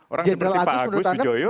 orang seperti pak agus sujoyo